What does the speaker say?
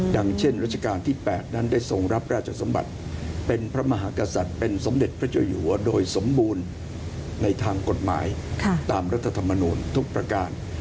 เช่นรัชกาลที่๘นั้นได้ทรงรับราชสมบัติเป็นพระมหากษัตริย์เป็นสมเด็จพระเจ้าอยู่หัวโดยสมบูรณ์ในทางกฎหมายตามรัฐธรรมนูลทุกประการ